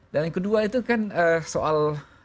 dan yang kedua itu kan soal